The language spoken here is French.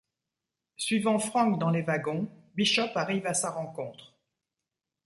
Suivant Frank dans les wagons, Bishop arrive à sa rencontre.